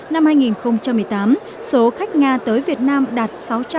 năm hai nghìn một mươi tám số khách nga tới việt nam đạt sáu trăm linh